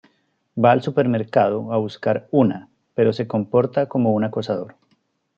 Va al supermercado a buscar una, pero se comporta como un acosador.